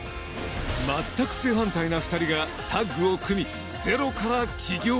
全く正反対な二人がタッグを組みゼロから起業